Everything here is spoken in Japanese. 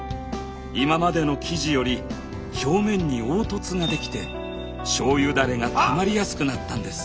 今までの生地より表面に凹凸ができて醤油ダレがたまりやすくなったんです。